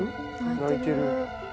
泣いてる。